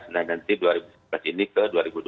nah nanti ke dua ribu dua puluh empat